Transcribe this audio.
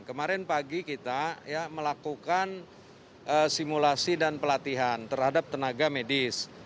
kemarin pagi kita melakukan simulasi dan pelatihan terhadap tenaga medis